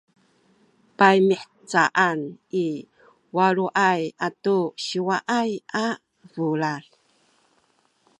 paymihcaan i waluay atu siwaay a bulad